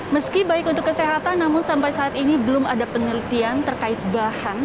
meski baik untuk kesehatan namun sampai saat ini belum ada penelitian terkait bahan